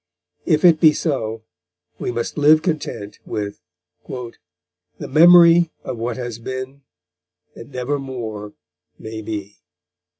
If it be so, we must live content with The memory of what has been, And never more may be.